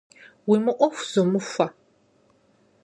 Уи мыӏуэху зумыхуэ!